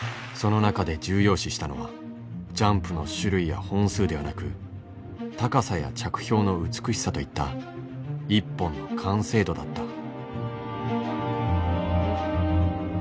その中で重要視したのはジャンプの種類や本数ではなく高さや着氷の美しさといった一本の完成度だった。